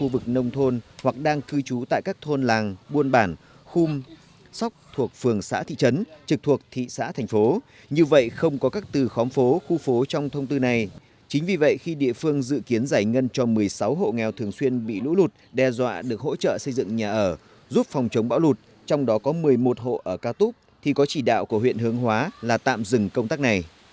vì vậy khi địa phương dự kiến giải ngân cho một mươi sáu hộ nghèo thường xuyên bị lũ lụt đe dọa được hỗ trợ xây dựng nhà ở giúp phòng chống bão lụt trong đó có một mươi một hộ ở ca túc thì có chỉ đạo của huyện hương hóa là tạm dừng công tác này